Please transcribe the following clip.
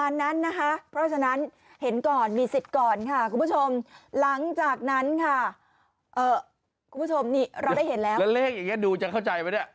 แล้วเลขอย่างนี้ดูจะเข้าใจไหม